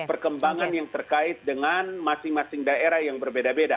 perkembangan yang terkait dengan masing masing daerah yang berbeda beda